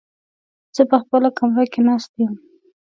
زه په خپله کمره کې ناست يم.